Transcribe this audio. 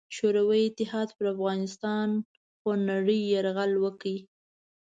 شوروي اتحاد پر افغانستان خونړې یرغل وکړ.